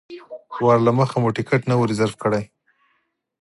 وار له مخه مو ټکټ نه و ریزرف کړی.